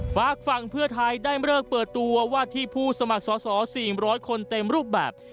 ฝากฝั่งเพื่อไทยได้เลิกเปิดตัวว่าที่ผู้สมัครสอสอ๔๐๐คนเต็มรูปแบบ